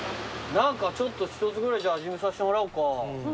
何かちょっと一つぐらいじゃあ味見さしてもらおうか。